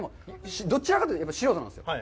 どちらかというと、素人なんですよ。